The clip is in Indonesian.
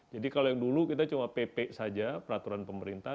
jadi kalau yang dulu kita cuma pp saja peraturan pemerintah